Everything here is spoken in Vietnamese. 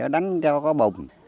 đánh cho có bùng